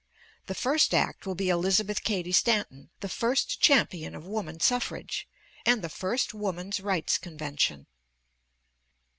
The first act will be Elizabeth Cady Stanton, the first champion of Woman Suffrage, and the first Woman's Rights Convention.